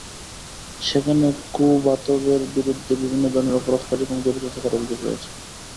সেখানে কুভাতভের বিরুদ্ধে বিভিন্ন ধরনের অপরাধ কার্যক্রমে জড়িত থাকার অভিযোগ রয়েছ।